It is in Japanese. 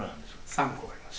３個あります。